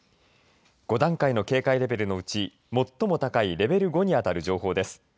５段階の警戒レベルのうち最も高いレベル５に当たる情報です。